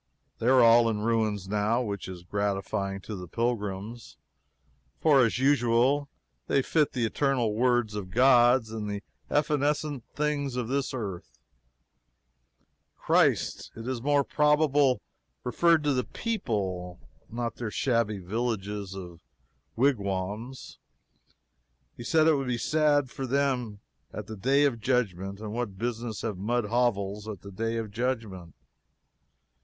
They are all in ruins, now which is gratifying to the pilgrims, for, as usual, they fit the eternal words of gods to the evanescent things of this earth; Christ, it is more probable, referred to the people, not their shabby villages of wigwams: he said it would be sad for them at "the day of judgment" and what business have mud hovels at the Day of Judgment?